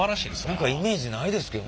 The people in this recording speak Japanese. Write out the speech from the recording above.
何かイメージないですけどね。